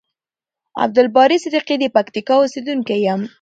عبدالباری صدیقی د پکتیکا اوسیدونکی یم.